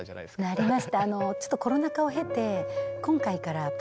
なりました。